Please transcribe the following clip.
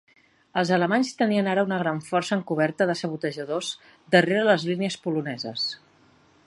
Els alemanys tenien ara una gran força encoberta de sabotejadors darrere les línies poloneses.